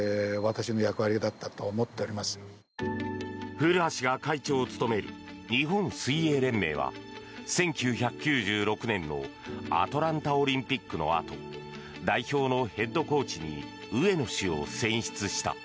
古橋が会長を務める日本水泳連盟は１９９６年のアトランタ五輪のあと代表のヘッドコーチに上野氏を選出した。